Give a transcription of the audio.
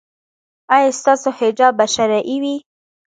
ایا ستاسو حجاب به شرعي وي؟